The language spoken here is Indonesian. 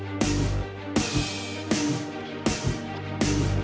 masih di sini